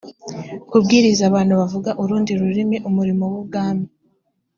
kubwiriza abantu bavuga urundi rurimi umurimo w ubwami